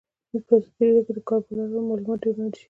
په ازادي راډیو کې د د کار بازار اړوند معلومات ډېر وړاندې شوي.